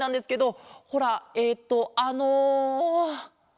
ほらえっとあの。